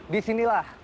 di sini lah